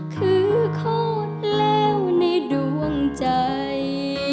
คือโคตรแล้วในดวงใจ